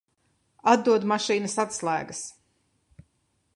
Atdod mašīnas atslēgas.